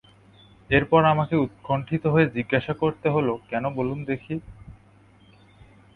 এর পরে আমাকে উৎকণ্ঠিত হয়ে জিজ্ঞাসা করতে হল, কেন বলুন দেখি।